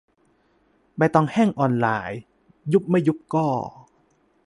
ใบตองแห้งออนไลน์ : ยุบไม่ยุบก็.